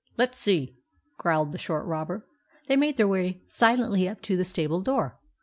" Let 's see," growled the short robber. They made their way silently up to the stable door.